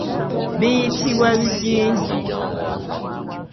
Biyitibwa bigingi.